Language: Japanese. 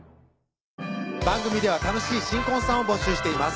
番組では楽しい新婚さんを募集しています